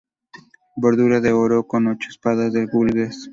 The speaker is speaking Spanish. Bordura de oro con ocho aspas de gules.